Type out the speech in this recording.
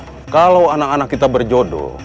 jika anak anak kita berjodoh